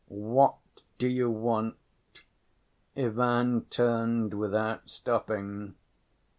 "What do you want?" Ivan turned without stopping.